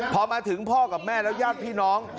พอมาถึงพ่อกับแม่แล้วญาติพี่น้อง